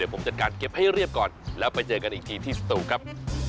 ผมจัดการเก็บให้เรียบก่อนแล้วไปเจอกันอีกทีที่สตูครับ